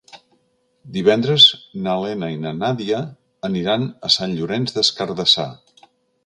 Divendres na Lena i na Nàdia aniran a Sant Llorenç des Cardassar.